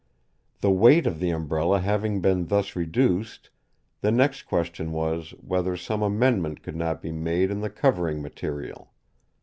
The weight of the Umbrella having been thus reduced, the next question was, whether some amendment could not be made in the covering material.